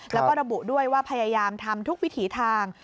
แล้วก็ระบุด้วยว่าพยายามทำทุกวิถีทาง